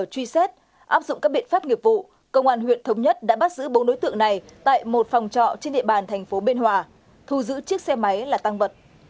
truy xét áp dụng các biện pháp nghiệp vụ công an huyện thống nhất đã bắt giữ bốn đối tượng này tại một phòng trọ trên địa bàn thành phố biên hòa thu giữ chiếc xe máy là tăng vật